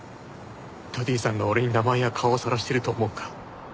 ダディさんが俺に名前や顔をさらしてると思うか？